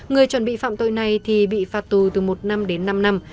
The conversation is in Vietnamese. người chuẩn bị phạm tội này thì bị phạt tù từ một năm đến năm năm